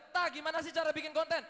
tah gimana sih cara bikin konten